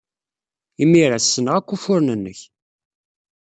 Imir-a, ssneɣ akk ufuren-nnek!